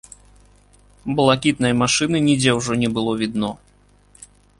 Блакітнай машыны нідзе ўжо не было відно.